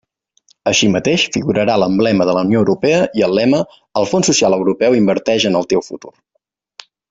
Així mateix, figurarà l'emblema de la Unió Europea i el lema «El Fons Social Europeu inverteix en el teu futur».